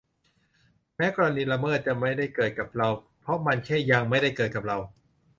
แม้กรณีละเมิดจะไม่ได้เกิดกับเรา เพราะมันแค่ "ยัง" ไม่ได้เกิดกับเรา